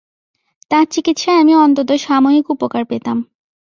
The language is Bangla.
তাঁর চিকিৎসায় আমি অন্তত সাময়িক উপকার পেতাম।